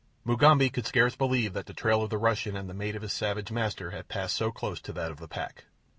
Mugambi could scarce believe that the trail of the Russian and the mate of his savage master had passed so close to that of the pack.